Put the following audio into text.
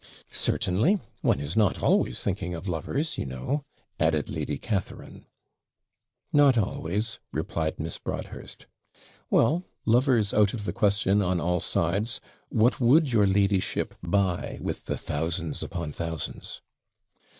'Certainly. One is not always thinking of lovers, you know,' added Lady Catharine. 'Not always,' replied Miss Broadhurst. 'Well, lovers out of the question on all sides, what would your ladyship buy with the thousands upon thousands?'